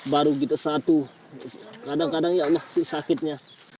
baru kita satu kadang kadang ya allah sih sakitnya